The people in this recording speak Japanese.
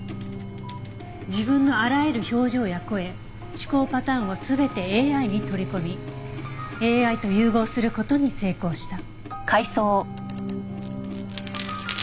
自分のあらゆる表情や声思考パターンを全てＡＩに取り込みＡＩと融合する事に成功した。